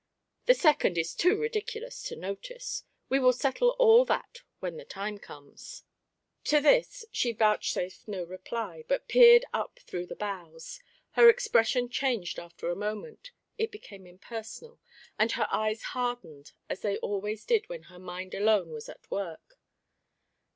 The second is too ridiculous to notice. We will settle all that when the time comes." To this she vouchsafed no reply, but peered up into the boughs. Her expression changed after a moment; it became impersonal, and her eyes hardened as they always did when her mind alone was at work.